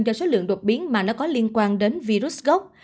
do số lượng đột biến mà nó có liên quan đến virus gốc